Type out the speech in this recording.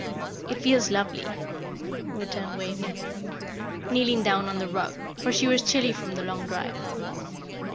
"It feels lovely," returned Waveney, kneeling down on the rug, for she was chilly from the long drive.